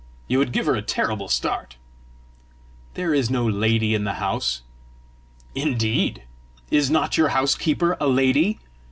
You would give her a terrible start!" "There is no lady in the house!" "Indeed! Is not your housekeeper a lady?